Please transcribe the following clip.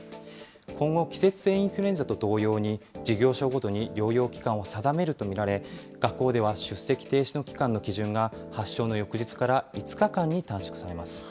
今後、季節性インフルエンザと同様に、事業者ごとに療養期間を定めると見られ、学校では出席停止期間の基準が発症の翌日から５日間に短縮されます。